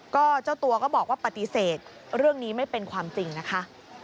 ก็เจ้าตัวก็บอกว่าปฏิเสธเรื่องนี้ไม่เป็นความจริงนะคะ